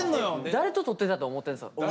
誰と撮ってたと思ってたんすか？